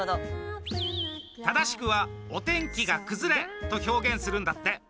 正しくは「お天気が崩れ」と表現するんだって。